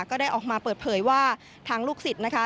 ก็ได้ออกมาเปิดเผยว่าทางลูกศิษย์นะคะ